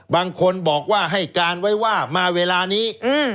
บางคนบอกว่าให้การไว้ว่ามาเวลานี้